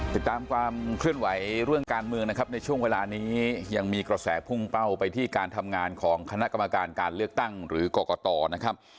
ติดตามความเคลื่อนไหวเรื่องการเมืองนะครับในช่วงเวลานี้ยังมีกระแสพุ่งเป้าไปที่การทำงานของคณะกรรมการการเลือกตั้งหรือกรกตนะครับ